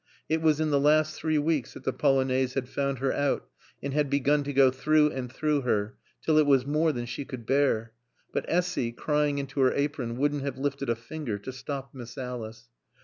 It was in the last three weeks that the Polonaise had found her out and had begun to go through and through her, till it was more than she could bear. But Essy, crying into her apron, wouldn't have lifted a finger to stop Miss Alice.